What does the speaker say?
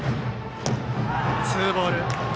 ツーボール。